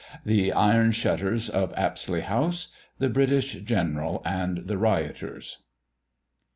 THE IRON SHUTTERS OF APSLEY HOUSE. THE BRITISH GENERAL AND THE RIOTERS.